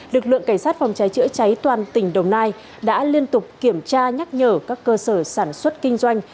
lực lượng cảnh sát phòng cháy chữa cháy toàn tỉnh đồng nai đã liên tục kiểm tra nhắc nhở các cơ sở sản xuất kinh doanh